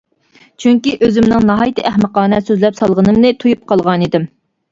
چۈنكى ئۆزۈمنىڭ ناھايىتى ئەخمىقانە سۆزلەپ سالغىنىمنى تۇيۇپ قالغانىدىم.